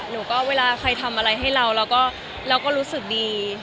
หนูก็เวลาใครทำอะไรให้เราเราก็รู้สึกดี